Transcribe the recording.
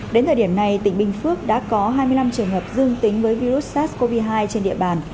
đến thời điểm này tỉnh bình phước đã có hai mươi năm trường hợp dương tính với virus sars cov hai trên địa bàn